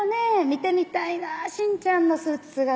「見てみたいなちんちゃんのスーツ姿」